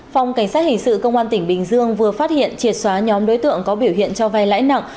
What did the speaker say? phòng cảnh sát hình sự công an tp vĩnh long vừa phát hiện triệt xóa nhóm đối tượng có biểu hiện cho vai lãi nặng